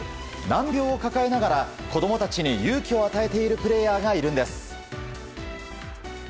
難病を抱えながら子供たちに勇気を与えているプレーヤーがいるんです。